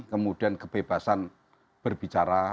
kemudian kebebasan berbicara